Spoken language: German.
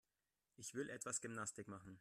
Ich will etwas Gymnastik machen.